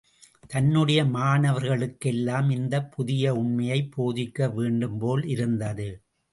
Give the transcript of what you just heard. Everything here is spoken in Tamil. தன்னுடைய மாணவர்களுக்கெல்லாம் இந்தப் புதிய உண்மையைப் போதிக்க வேண்டும்போல் இருந்தது.